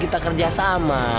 kita kerja sama